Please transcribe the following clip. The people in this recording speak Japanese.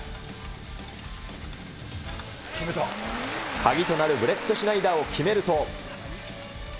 鍵となるブレットシュナイダーを決めると。